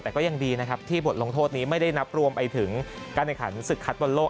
แต่ก็ยังดีนะครับที่บทลงโทษนี้ไม่ได้นับรวมไปถึงการแข่งขันศึกคัดบอลโลก